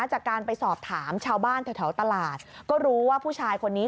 จากการไปสอบถามชาวบ้านแถวตลาดก็รู้ว่าผู้ชายคนนี้